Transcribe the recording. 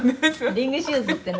「リングシューズっていうの？